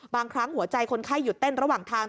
บางครั้งหัวใจคนไข้หยุดเต้นระหว่างทาง